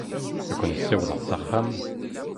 Ad ken-ssiwḍeɣ s axxam?